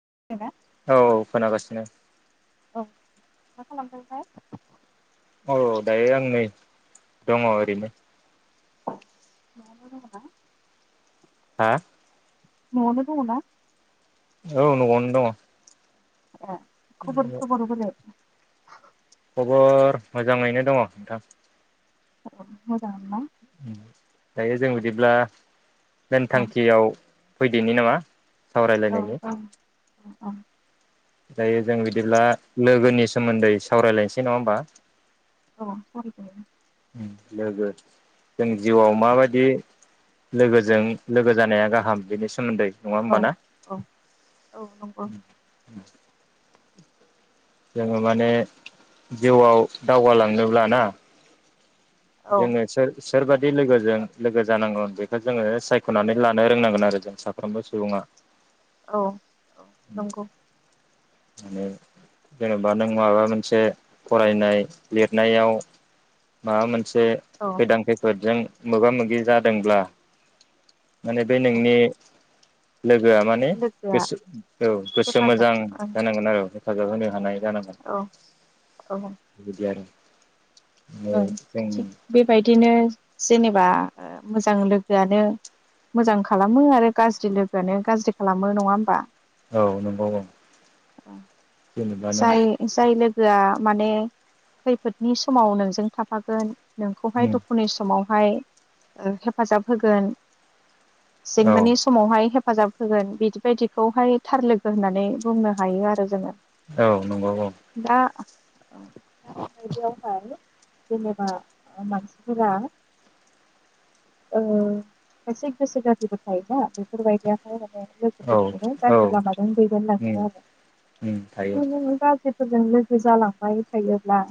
[unintelligible] औ खोनागासिनो। औ मा खालामदों थाय? औ दायो आं नै दङ ओरैनो। [unintelligible] हा? नआवनो दङना? औ न'आवनो दङ। ए खबर सबर बोरै? [inaudible] खबर मोजाङैनो दङ नोंथां। [inaudible] उम दायो जों बिदिब्ला मेन औ थांखियाव फैदोनि नामा? सावराय लायनायनि अ अ दायो जों बिदिब्ला लोगोनि सोमोन्दै सावरायलायनोसै नङा होमबा? औ सावराय जायो उम लोगो जों जिउआव माबायदि लोगोजों लोगो जानाया गाहाम बेनि सोमोन्दै नङा औ होमबाना औ औ नंगौ [inaudible] जोङो माने जिउआव दावगाालांनोब्ला ना औ जोंनो सोर सोरबादि लोगोजों लोगो जानांगौ बेखौ जोङो सायख'नानै लानो रोंनांगोन आरो जों साफ्रोमबो सुबुङा। औ औ नंगौ माने जेनेबा नों माबा मोनसे फरायनाय लिरनायाव माबा मोन से औ खैदां खैफोदजों मोगा मोगि जादोंब्ला माने बे औ नोंनि लोगोआ माने लोगोआ गोसो औ गोसो हेफाजाब मोजां ओं जानांगोन आरो हेफाजाब होनो हानाय जानांगोन औ औ बिदि आरो ओं [unintelligible] थिग बेबायदिनो जेनेबा ओ मोजां लोगोआनो मोजां खालामो आरो गाज्रि लोगोआनो गाज्रि खालामो नङा होमबा? औ नंगौ औ जेनेबा नों जाय जाय लोगोआ माने खैफोदनि समाव नों जों थाफागोन नोंखौहाय दुखुनि समाव हाय ओ हेफाजाब होगोन। औ जेंनानि समावहाय हेफ फाजाब होगोन बिदिबायदिखौहाय थार लोगो होननानै बुंनो हायो आरो जोङो। औ नंगौ औ। [unintelligible] जेनेबा ओ मानसिफोरा ओ खायसे गोसो गाज्रिबो थायोना बेफोरबायदियावहाय। लोगोफोरखौनो औ औ गाज्रि लामाजों दैदेनलाङो आरो थायो [unintelligible] फोरजों लोगो जालांबाय थायोब्ला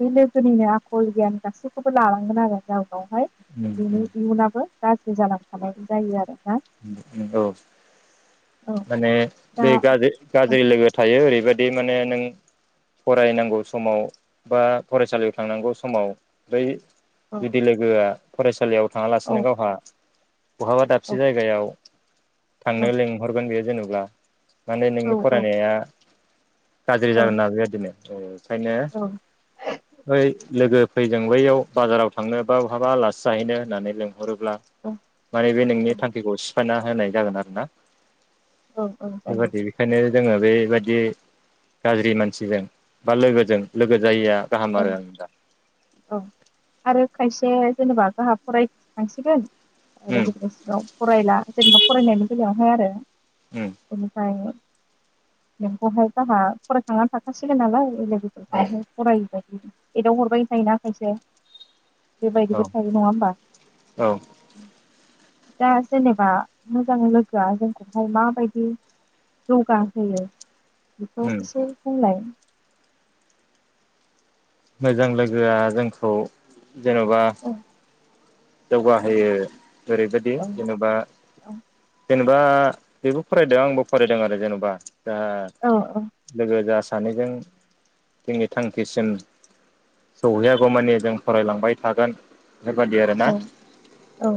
बे लोग गोनिनो आखल गियान गासैखौबो लालांगोन आरो राव बावहाय उम बिनि उम इयुनाबो गाज्रि जालांफानायबो जायो आरो। औ औ माने दा बे गाज्रि औ गाज्रि लोगो थायो ओरैबाय बे माने नों फरायनांगौ समाव बा फरायसालियाव थांनांगौ समाव बै बिदि लोगोआ फरायसालियाव औ थाङालासिनो गावहा बहाब जायगायाव औ थांनो लिंहरगोन बे जेनब्ला माने औ नोंनि फरायनाया गाज्रि जागोन ना बेबायदिनो। औ। ओंखायनो औ बै लोगो फैजों बैयाव बाजाराव थांनो बा बहाबा आलासि जाहैनो होननानै लें हरोब्ला माने बे नोंनि सिफायना होनाय जागोन आरो ना। औ औ जायो। जोङो बे बायदि गाज्रि मानसिजों बा लोगोजों लोगो जायैया औ औ आरो खायसे जेनेबा गाहा फराय खांसिगोन। आरो उम गोदाव सोराव फरायला, जेनेबा फरायनायनि बेलायाव हा आरो। उम [inaudible] बेमखौहाय जोंहा फरायखांनानै थाखासिगोन नालाय, इल [unintelligible] एदाव हरबाय थायोना खायसे। औ बेबायदिबो थायो नङा होमबा? औ दा जेनेबा मोजां लोगोआ जोंखौहाय माबायदि जौगाहोयो? बेखौ उम एसे बुंलाय। मोजां लोगोआ जोंखौ जेनबा। औ जौगाहोयो ओरैबायदि, औ जेनेबा औ जेनेबा बेबो फरायदों आंबो फरायदों आरो जेनेबा। दा औ लोगो जा सानैजों जोंनि थांखिसिम सौहैयागौमानि जों फरायलांबाय थागोन। बे बायदि आरो ना? औ औ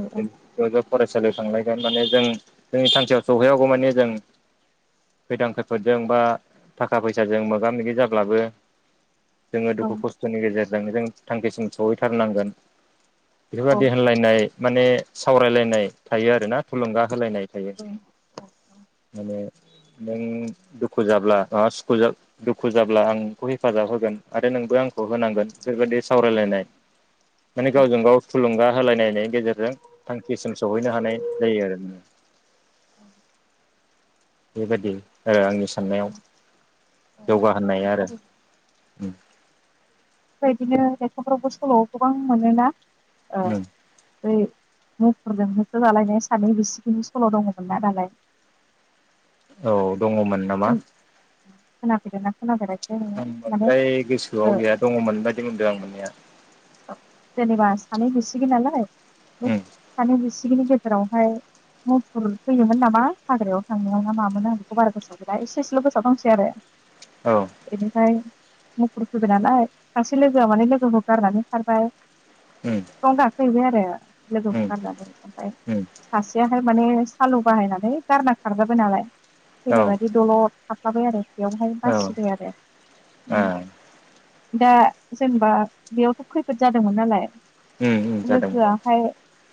फरायसालियाव थांलायगोन माने, जों जोंनि सानसेयाव सौहैया गौ माने जों खैदां खैफोदजों बा थाखा फैसाजों मोगा मोगि जाब्लाबो जों औ दुखु खस्थ'नि गेजेरजों जों थांखिसिम सहैथारनांगोन। औ बेफोरबायदि होनलायनाय माने सावरायलायनाय थायो आरोना थुलुंगा होलायनाय थायो माने। नों दुखु जाब्ला, मा सुखु दुखु जाब्ला आंखौ हेफाजाब होगोन। आरो नों नोंबो आंखौ होनांगोन, बेफोरबायदि सावरायलायनाय। माने गावजों गाव थुलुंगा होलायनायनि गेजेरजों थांखिसिम सहैनो हानाय जायो आरो। बेबायदि आरो आंनि साननायाव जौगाहोननाया आरो। बिदिनो लेखरफ्रावबो सल' गोबां मोनोना? ओ दै मुफुरजों होसो जालायनाय सानै बिसेखिनि सल' दङमोन ना नालाय? औ। दङमोन नामा। खोना फेरदोंना खोनाफेरा आं बांद्राय गोसोआव गैया दङ मोन बायदि मोनदों आं मोननाया। जेनेबा सानै बिसिगि नालाय। सानै। सिगिनि गेजेरावहाय मुफुर फैयोमोन नामा हाग्रायाव थांनायाव ना मामोन आं बेखौ बारा गोसोआव गैया एसे इसेल' गोसोआव दंसै आरो। औ एनिफ्राय। मुफुर फैबाय नालाय सासे लोगोआ माने लोगोखौ गारनानै। खारबाय। उम। हैबाय आरो उम लोगोखौ गारनानै ओमफाय उम सासेयाहाय माने सालु बाहायनानै गारना खारजाबाय नालाय थैनाय औ बायदि दलर थाफ्लाबाय आरो बेयावहाय औ बासिबाय आरो आ दा जेनेबा बेयावथ'। खैफोद जादोंमोन नालाय। उम उम लोगोआ जादोंमोन हाय।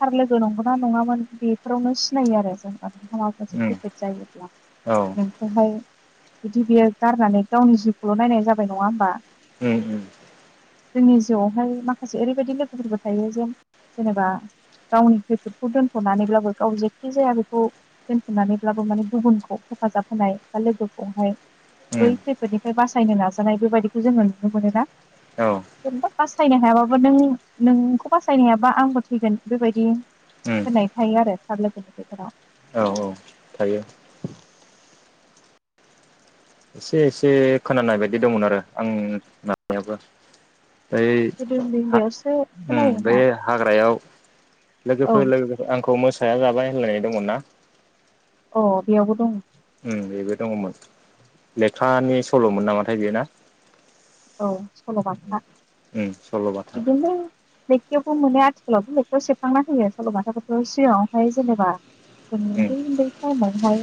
थार लोगो नंगौना नङामोन बेफोरावनो सिनायो आरो जेनेबा नोंहा माबा मोनसे खैफोद जायोब्ला औ उम औ नोंखौहाय जुदि बेयो गारनानै गावनि जिउखौल' नायनाय जाबाय नङा होमबा उम उम जोंनि जिउआव हाय माखासे ओरैबायदि लोगोफोरबो थायो जेन जेनेबा गावनि खैफोदखौ दोन्थ'नानैब्लाबो गाव जेखि जाया बेखौ दोनथ'नानैब्लाबो माने गुबुनखौ हेफाजाब होनाय बा लोगोखौहाय बै उम खैफोदनिफ्राय बासायनो नाजानाय बेबायदिखौ जोङो नुनो मोनोना। औ। जेनेबा बासायनो हायाबाबो नों नोंखौ बासायनो हायाबा आंबो थैगोन बेबायदि उम होनाय थायो आरो थार लोगोनि गेजेराव। औ औ थायो। [inaudible] एसे एसे खोनानाय बायदि दंमोन आरो आं नायाबो। बै गोदो उन्दै उन्दैयावसो ओम बै खोनायोमोनना हाग्रायाव। औ लोगोफोर लोगोफोर आंखौ मो साया जाबाय होनलायनाय दंमोन ना। अ बेयावबो दङ। उम बेबो दङमोन लेखानि सल'मोन नामाथाय बे ना। औ सल' बाथा। सल' बाथा। लेखायावबो मोनो आथिखालावबो लेखायाव सेबखांना होयो सल'बाथाफोरखौ सिगाङावहाय जेनेबा जों उम उन्दै उन्दै टाइमावहाय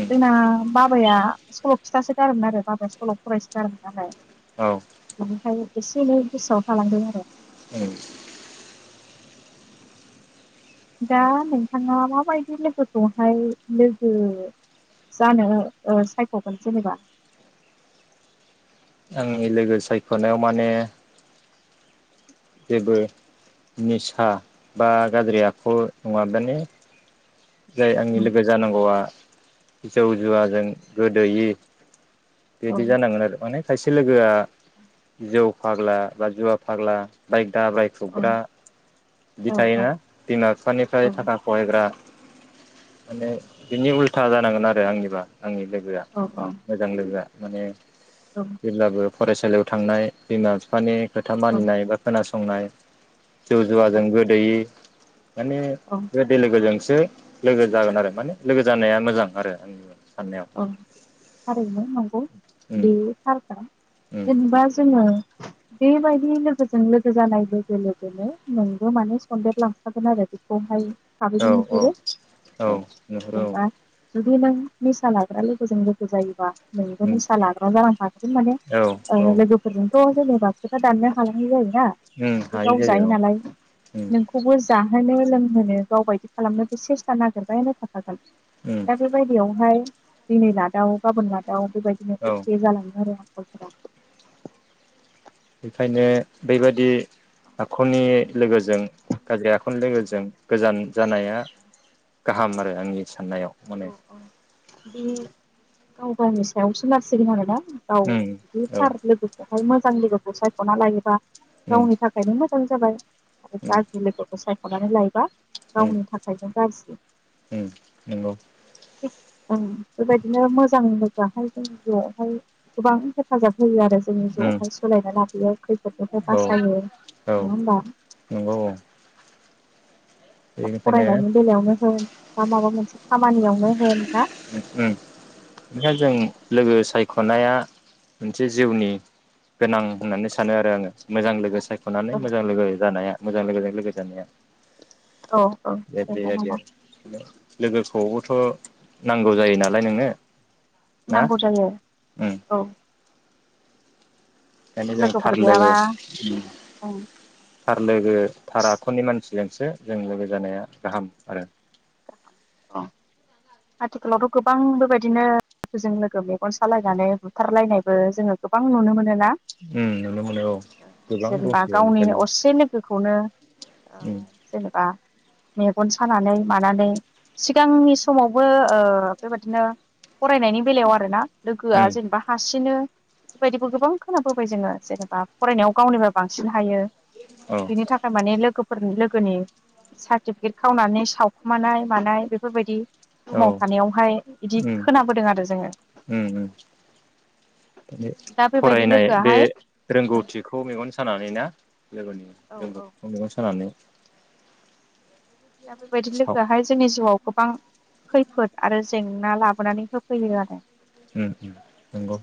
उम बाबाया सल' खिथासो गारोमोन आरो बाबाया सल फरायसो गारोमोन नालाय। औ ओमफ्राय एसे एनै गोसोआव थालांदों आरो। उम दा नोंथाङा माबायदि लोगोखौहाय लोगो जानो ओ सायख'गोन जेनेबा। आंनि लोगो सायख'नायाव माने जेबो निसा बा गाज्रि आखु नङाबानो जाय आंनि औ लोगो जानांगौआ। जौ जुवाजों गोदोयि। बिदि औ जानांगोन आरो माने। खायसे लोगोआ जौ फाग्ला बा जुवा फाग्ला। बाय दाब्राय खुबग्रा बिदि औ औ थायोना बिमा बिफानिफ्राय औ थाखा [unintelligible] माने बिनि उल्था जानांगोन आरो आंनिबा आंनि लोगोआ औ औ मोजां लोगोआ माने जेब्लाबो फरायसालियाव थांनाय बिमा बिफानि खोथा औ मानिनाय एबा खोनासंनाय जौ औ जुवाजों गोदोयि माने औ गोदै लोगोजोंसो लोगो जागोन आरो माने लोगो जानाया मोजां आरो आंनिबा औ थारैनो नंगौ उम बे थारखा उम जेनबा जों बेबायदि लोगोजों लोगो जानाय लोगो लोगोनो नोंबो माने सन्देन लांफागोन आरो बेखौहाय औ थाबैनो औ नुहुरो औ नुहरो औ जेनेबा जुदि नों निसा ला ग्रा लोगोजों लोगो जायोबा नोंबो उम निसा लाग्रा जालांफागोन माने औ ओ औ लोगोफोरजों खौ जेनेबा खोथा दाननो हालाङै जायो दा उम हायै गाव जायो औ नालाय उम नोंखौबो जाहोनो लोंहोनो गाव बायदि खालामनो बे सेस्था नागिरबायानो थाखागोन। उम दा बेबायदियावहाय दिनै लादाव गाबोन ला दाउ बेबायदिनो औ एखे जालाङो आरो । [inaudible] बेखायनो बेबादि आखुनि लोगोजों गाज्रि आखुनि लोगोजों गोजान जानाया। गाहाम आरो आंनि साननायाव माने बे गाव गावनि सायावसो सोनारसिगोन आरो ना। औ उम बिदि औ थार लोगो मोजां लोगोखौ सायख'ना लायोबा। उम गावनि थाखायनो मोजां। खम जाबाय। उम [unintelligible] सायखनानै लायोबा। उम गावनि थाखायनो गाज्रि। उम नंगौ बेबायदिनो मोजां। जोंनि जिउआवहाय गोबां हेफाजाब। होयो आरो जोंनि उम ज'आवहाय सोलायनानै लाबोयो खैफोदखौहाय औ बासायो औ नङा होमबा। नंगौ औ बेनिखायनो फरायनायनि बेलायावनो होन मा माबा मोनसे खामानियावनो होन ना। खायनो जों लोगो सायख'नाया मोनसे जिउनि गोनां होननानै सानो आरो आङो मोजां लोगो सायख'नानै मोजां लोगो जानाया। मोजां लोगोजों लोगो जानाया। औ औ बे थारैनो बेबायदि नंगौ। आरो लोगोखौबोथ'। नांगौ जायो नालाय नोंनो। ना नांगौ जायो उम औ। बेखायनो जों लोगोफोर थार लोगो गैयाबा ओं थार लोगो थार आखुनि मानसि। जोंसो जों लोगो जानाया गाहाम आरो। आथिखालावथ' गोबां बेबायदिनो लोगोजों लोगो मेगन सालायनानै बुथारलायनायबो जोङो गोबां नुनो मोनो। उम नुनो मोनो औ गोबां दंसै आजिखालि। खौनो अ उम जेनेबा मेगन सानानै मानानै सिगांनि समावबो बेबादिनो फरायनायनि बेलायाव आरोना लोगोआ उम जेनेबा हारसिंनो बेबायदिबो गोबां खोनाबोबाय जोङो जेनेबा फरायनायाव गावनिबो बांसिन हायो औ बिनि थाखाय माने लोगो फोर लोगोनि सार्टिफिकेट खावनानै सावखुमानाय मानाय बेफोरबायदि औ रुमाव थानायावहाय बिदि ओम खोनाबोदों आरो जोङो ओम ओम माने दा बेबायदि फरायनाय बे लोगोआहाय औ रोंगौथिखौ मेगन सानानै ना? लोगोनि औ रोंग'थिखौ मेगन सानानै दा बेबायदि साव लोगोआहाय जोंनि जिउआव गोबां खैफोद आरो जेंना लाबोनानै होफैयो आरो ओम ओम नंगौ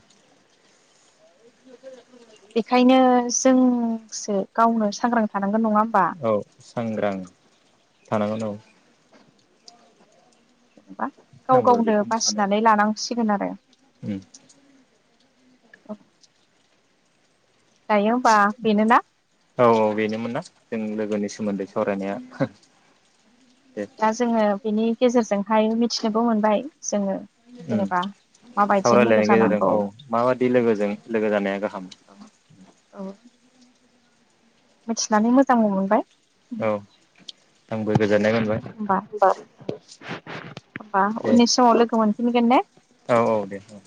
बेखायनो जोंसो गावनो सांग्रां था नांगोन नङा होमबा? औ सांग्रां थानांगोन औ जेनेबा गाव आंबो गावनो बेखौनो सानो बासिनानै लानांसिगोन आरो उम औ। औ औ बेनोमोन ना जों लोगोनि सोमोन्दै सावरायनाया। दे दा जोङो बिनि गेजेरजोंहाय मिथिनोबो मोनबाय जोङो ओम जेनेबा माबायदिजों लोगो सावरायलायनायनि गेजेरजों जानांगौ औ माबादि लोगोजों लोगो जानाया गाहाम औ मिथिनानै मोजांबो मोनबाय। औ आंबो गोजोननाय मोनबाय होमबा दे। बुंगोन ने? औ औ दे औ।